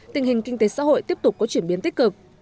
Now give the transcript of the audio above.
tình hình kinh tế xã hội tiếp tục có chuyển biến tích cực